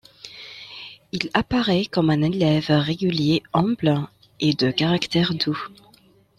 Il apparaît comme un élève régulier humble et de caractère doux.